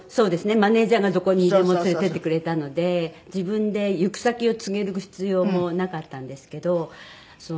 マネジャーがどこにでも連れてってくれたので自分で行く先を告げる必要もなかったんですけどそう。